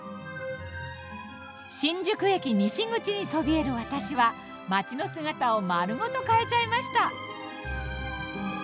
新宿駅西口にそびえる私は街の姿を丸ごと変えちゃました。